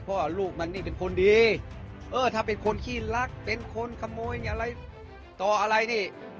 เพราะว่าลูกมันนี่เป็นคนดีเออถ้าเป็นคนขี้รักเป็นคนขโมยอะไรต่ออะไรนี่